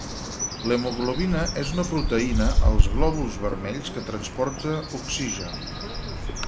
L'hemoglobina és una proteïna als glòbuls vermells que transporta oxigen.